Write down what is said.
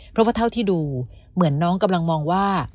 เพราะว่าเท่าที่ดูเหมือนน้องกำลังมองว่า